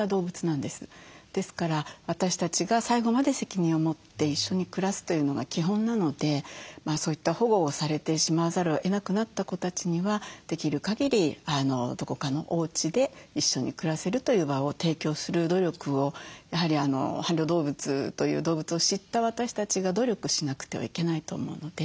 ですから私たちが最後まで責任を持って一緒に暮らすというのが基本なのでそういった保護をされてしまわざるをえなくなった子たちにはできるかぎりどこかのおうちで一緒に暮らせるという場を提供する努力をやはり「伴侶動物」という動物を知った私たちが努力しなくてはいけないと思うので。